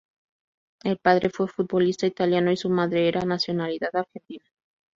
El padre fue un futbolista italiano y su madre era de nacionalidad argentina.